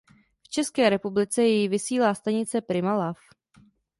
V České republice jej vysílá stanice Prima Love.